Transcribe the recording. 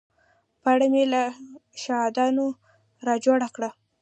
پاڼه مې له شاهدانو را جوړه کړه.